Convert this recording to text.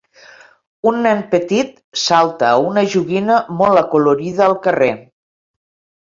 Un nen petit salta a una joguina molt acolorida al carrer.